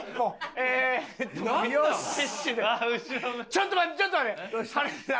ちょっと待ってちょっと待って！